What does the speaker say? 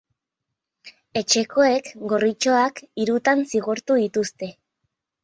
Etxekoek gorritxoak hirutan zigortu dituzte.